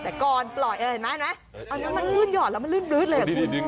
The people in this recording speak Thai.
แต่ก่อนปล่อยอันนี้มันลื่นหยอดแล้วมันลื่นบลึ๊ดเลย